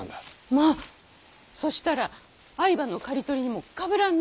まぁそしたら藍葉の刈り取りにもかぶらんねぇ。